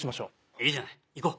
いいじゃないいこう。